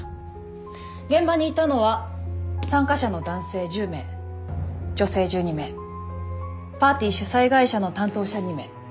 現場にいたのは参加者の男性１０名女性１２名パーティー主催会社の担当者２名。